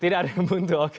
tidak ada yang buntu